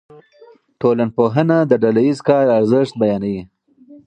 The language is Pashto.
ټولنپوهنه د ډله ایز کار ارزښت بیانوي.